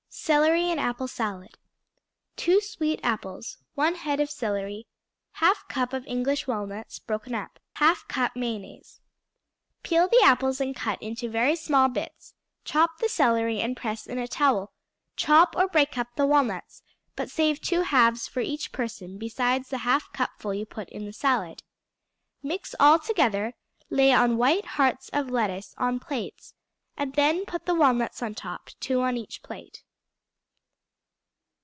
Celery and Apple Salad 2 sweet apples. 1 head of celery. 1/2 cup of English walnuts, broken up. 1/2 cup mayonnaise. Peel the apples and cut into very small bits; chop the celery and press in a towel; chop or break up the walnuts, but save two halves for each person besides the half cupful you put in the salad. Mix all together, lay on white hearts of lettuce on plates, and then put the walnuts on top, two on each plate.